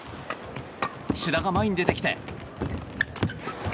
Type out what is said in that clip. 志田が前に出てきて。